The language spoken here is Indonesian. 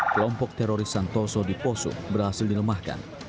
kelompok teroris santoso di poso berhasil dilemahkan